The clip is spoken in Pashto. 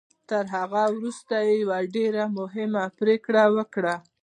تر هغه وروسته يې يوه ډېره مهمه پريکړه وکړه.